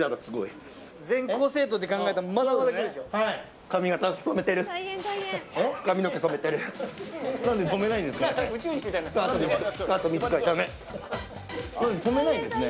全校生徒って考えたらまだまだいるんですよ。